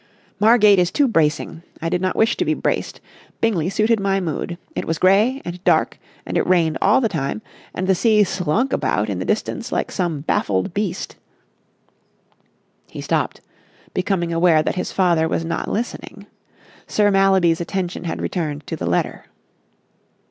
"Margate is too bracing. I did not wish to be braced. Bingley suited my mood. It was grey and dark and it rained all the time, and the sea slunk about in the distance like some baffled beast...." He stopped, becoming aware that his father was not listening. Sir Mallaby's attention had returned to the letter.